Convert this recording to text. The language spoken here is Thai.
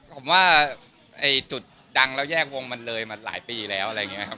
ผมว่าจุดดังแล้วแยกวงมันเลยมาหลายปีแล้วอะไรอย่างนี้ครับ